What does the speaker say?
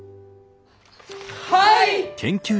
はい！